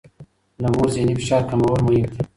د مور ذهني فشار کمول مهم دي.